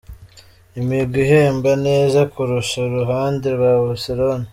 Imigwi ihemba neza kurusha iruhande ya Barcelona .